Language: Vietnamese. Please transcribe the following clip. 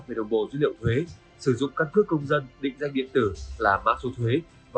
về đồng bộ dữ liệu thuế sử dụng căn cước công dân định danh điện tử là mã số thuế